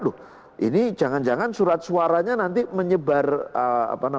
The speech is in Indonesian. loh ini jangan jangan surat suaranya nanti menyebar virus misalnya begitu